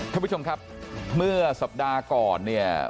ท่านผู้ชมครับเมื่อสัปดาห์ก่อนเนี่ย